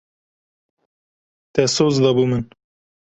Te soz dabû min.